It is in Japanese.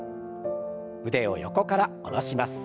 腕を横から下ろします。